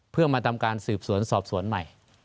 เพื่อมาทำการสืบสวนสอบสวนใหม่